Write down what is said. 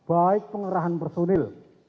memperkuat baik pengerahan personil